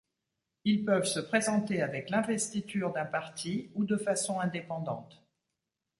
Ils peuvent se présenter avec l’investiture d'un parti ou de façon indépendante.